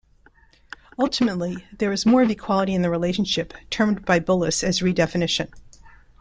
Ultimately, there is more of equality in the relationship, termed by Bullis as Redefinition.